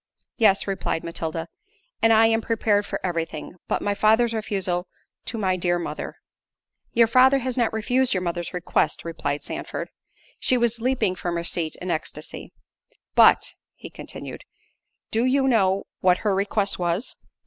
"Yes," replied Matilda, "and I am prepared for every thing, but my father's refusal to my dear mother." "Your father has not refused your mother's request," replied Sandford. She was leaping from her seat in ecstasy. "But," continued he, "do you know what her request was?"